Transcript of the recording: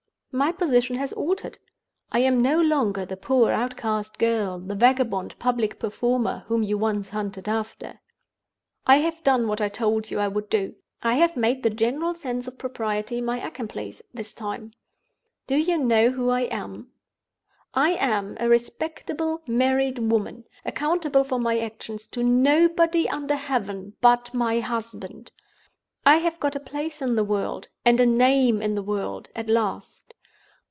My position has altered. I am no longer the poor outcast girl, the vagabond public performer, whom you once hunted after. I have done what I told you I would do—I have made the general sense of propriety my accomplice this time. Do you know who I am? I am a respectable married woman, accountable for my actions to nobody under heaven but my husband. I have got a place in the world, and a name in the world, at last.